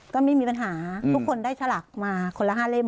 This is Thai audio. ก็ไม่มีปัญหาทุกคนได้ฉลากมาคนละ๕เล่ม